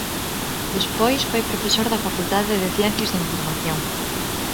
Despois foi profesor da Facultade de Ciencias da Información.